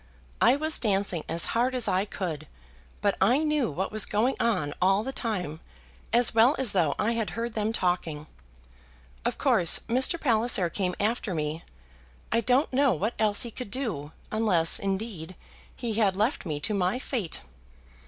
I was dancing as hard as I could, but I knew what was going on all the time as well as though I had heard them talking. Of course Mr. Palliser came after me. I don't know what else he could do, unless, indeed, he had left me to my fate.